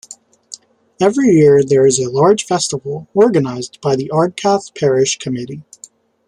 Every year there is a large festival organised by the Ardcath Parish Committee.